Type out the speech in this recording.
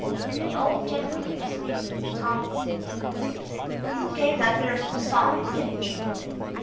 The old gentleman was speaking to Thomas. "You gave that mare some sign, didn't you?"